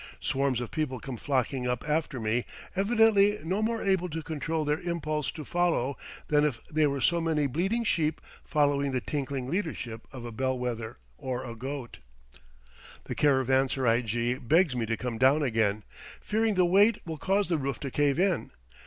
Swarms of people come flocking up after me, evidently no more able to control their impulse to follow than if they were so many bleating sheep following the tinkling leadership of a bellwether or a goat. The caravanserai jee begs me to come down again, fearing the weight will cause the roof to cave in.